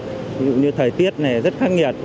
ví dụ như thời tiết này rất khắc nghiệp